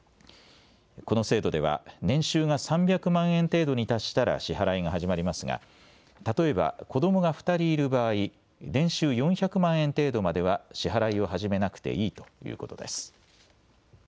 この制度では年収が３００万円程度に達したら支払いが始まりますが例えば子どもが２人いる場合年収４００万円程度までは支払いを始めなくていいということです。